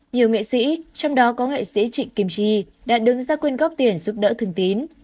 nhiều nghệ sĩ trong đó có nghệ sĩ trịnh kiềm chi đã đứng ra quên góp tiền giúp đỡ thương tín